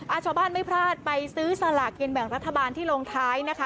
ชาวบ้านไม่พลาดไปซื้อสลากกินแบ่งรัฐบาลที่ลงท้ายนะคะ